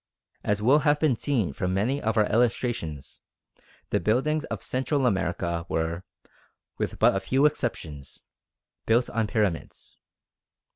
As will have been seen from many of our illustrations, the buildings of Central America were, with but a few exceptions, built on pyramids.